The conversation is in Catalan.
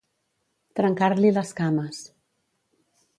Trencar-li les cames.